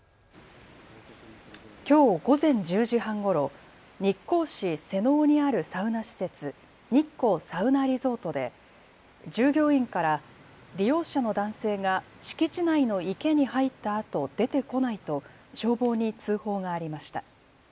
きょう午前１０時半ごろ、日光市瀬尾にあるサウナ施設、日光サウナリゾートで従業員から利用者の男性が敷地内の池に入ったあと出てこないと消防に通報がありました。